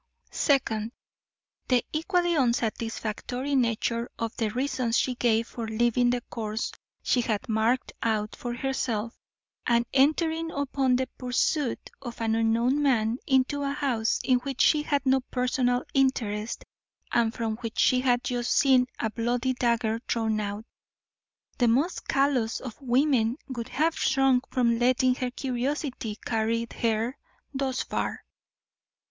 Second The equally unsatisfactory nature of the reasons she gave for leaving the course she had marked out for herself and entering upon the pursuit of an unknown man into a house in which she had no personal interest and from which she had just seen a bloody dagger thrown out. The most callous of women would have shrunk from letting her curiosity carry her thus far.